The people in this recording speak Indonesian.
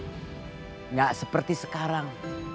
tidak seperti sekarang